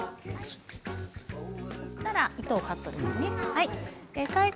そしたら糸をカットですね。